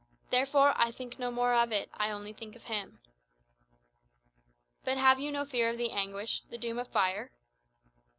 Therefore I think no more of it; I only think of him." "But have you no fear of the anguish the doom of fire?"